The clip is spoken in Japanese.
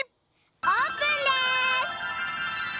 オープンです！